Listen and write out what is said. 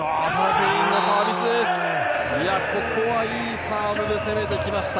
ペリン、ここはいいサーブで攻めてきました。